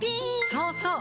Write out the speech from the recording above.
そうそう！